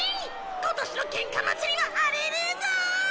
今年の喧嘩祭りは荒れるぞ！